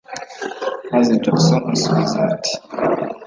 maze Jackson asubiza ati